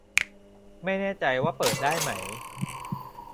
ไม่แน่ใจว่าได้เปิดไหม